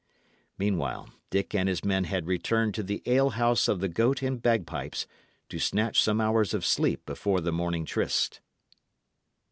Meanwhile, Dick and his men had returned to the ale house of the Goat and Bagpipes to snatch some hours of sleep before the morning tryst.